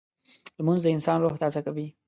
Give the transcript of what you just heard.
لمونځ د انسان روح تازه کوي